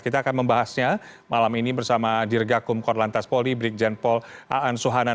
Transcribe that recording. kita akan membahasnya malam ini bersama dirgakum korlantas polibrik janpol aan suhanan